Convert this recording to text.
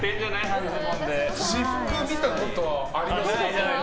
私服見たことあります？